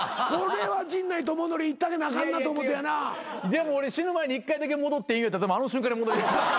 でも俺死ぬ前に１回だけ戻っていいんやったらあの瞬間に戻ります。